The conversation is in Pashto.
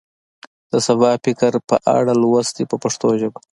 د سبا فکر په اړه لوست دی په پښتو ژبه.